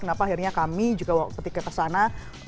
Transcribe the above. kenapa akhirnya kami juga ketika kesana